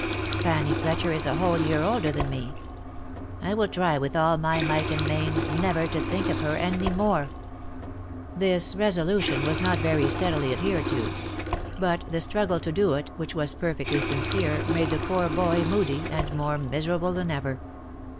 Fanny Fletcher is a whole year older than me ! I will try with all my might and main never to think of her any more !" 284 THE LIFE AND ADVENTURES This resolution was not very steadily adhered to ; but the struggle to do it, which was perfectly sincere, made the poor boy moody, and more miserable than ever.